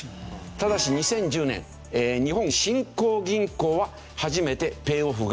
ただし２０１０年日本振興銀行は初めてペイオフが発動されました。